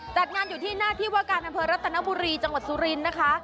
จัดงานอยู่ที่หน้าที่ว่าการอำเภอรัตนบุรีจังหวัดสุรินทร์นะคะ